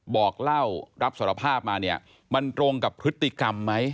บอกเล่ารับสารภาพมาเนี่ยมันตรงกับพฤติกรรมไหม